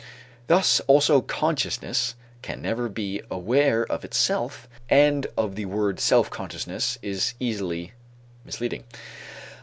Thus also consciousness can never be aware of itself and the word self consciousness is easily misleading.